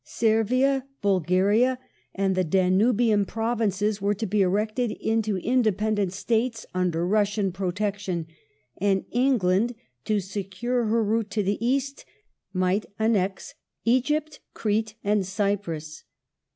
Servia, Bulgaria, and the Danubian Principalities were to be erected into independent states under Russian protection, and England, to secure her route to the East, might annex Egypt, Crete, and Cyprus.